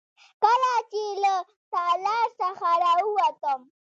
کله چې له تالار څخه راووتم.